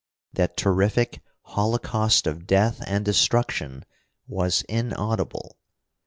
That terrific holocaust of death and destruction was inaudible.